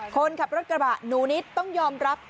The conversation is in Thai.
คนขับรถกระบะหนูนิดต้องยอมรับ